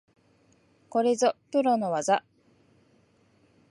これぞプロの技